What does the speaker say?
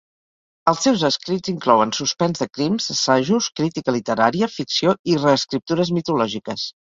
Els seus escrits inclouen suspens de crims, assajos, crítica literària, ficció i reescriptures mitològiques.